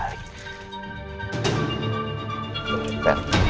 ya terima kasih banyak dok ya